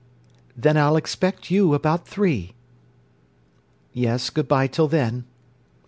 Then I'll expect you about three... Yes. Good bye till then."